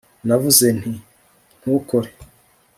navuze nti ntukore